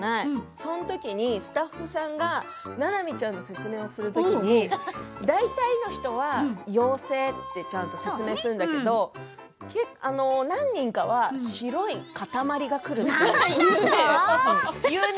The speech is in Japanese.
そのときにスタッフさんがななみちゃんの説明をするときに大体の人は妖精ってちゃんと説明するんだけど何人かは白い塊が来る、って。